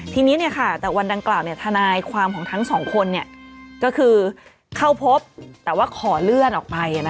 ทีนี้จากวันดังกล่าวทนายความของทั้งสองคนก็คือเข้าพบแต่ว่าขอเลื่อนออกไป